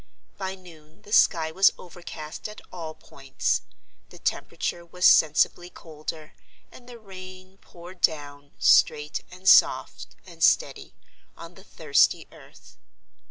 By noon the sky was overcast at all points; the temperature was sensibly colder; and the rain poured down, straight and soft and steady, on the thirsty earth.